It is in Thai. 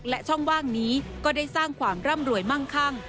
และช่องว่างนี้ก็ได้สร้างความร่ำรวยมั่งคั่ง